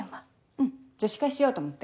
うん女子会しようと思って。